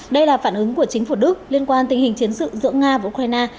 đây là phản ứng của chính phủ đức liên quan tình hình chiến sự giữa nga và ukraine